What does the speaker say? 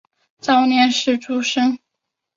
早年是诸生。